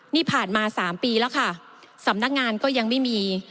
นี่ผ่านมา๓ปีแล้วค่ะสำนักงานก็ยังไม่มี